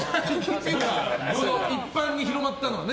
一般に広まったのはね。